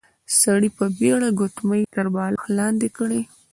سړي په بيړه ګوتمۍ تر بالښت لاندې کړې.